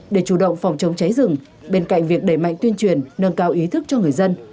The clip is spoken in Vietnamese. để chủ động phòng chống cháy rừng bên cạnh việc đẩy mạnh tuyên truyền nâng cao ý thức cho người dân